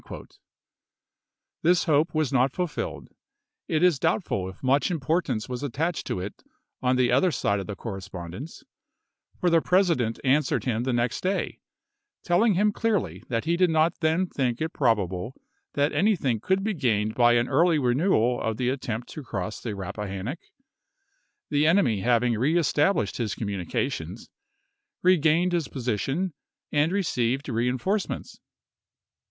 to morrow." This hope was not fulfilled; it is p 473 doubtful if much importance was attached to it on the other side of the correspondence, for the Presi dent answered him the next day, telling him clearly that he did not then think it probable that anything could be gained by an early renewal of the attempt to cross the Rappahannock; the enemy having reestablished his communications, regained his po sition, and received reinforcements.